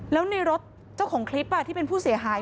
แล้วในรถเจ้าของคลิปที่เป็นผู้เสียหาย